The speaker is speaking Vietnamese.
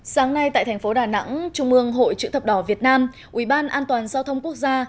sáng nay tại tp đà nẵng trung mương hội chữ thập đỏ việt nam uban an toàn giao thông quốc gia